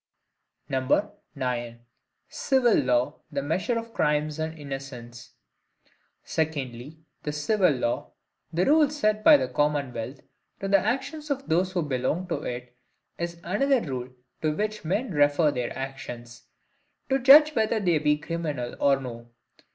9. Civil Law the Measure of Crimes and Innocence. Secondly, the CIVIL LAW—the rule set by the commonwealth to the actions of those who belong to it—is another rule to which men refer their actions; to judge whether they be criminal or no.